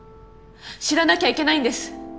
知らなきゃいけないんです。